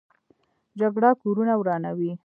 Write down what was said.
جګړه کورونه ورانوي